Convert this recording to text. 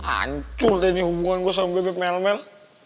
ancur deh ini hubungan gue sama gue dengan mel mel